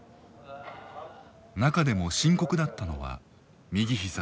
中でも深刻だったのは右膝。